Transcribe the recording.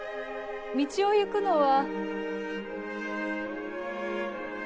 道を行くのは。